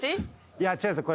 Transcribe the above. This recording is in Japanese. いや違うんですよ。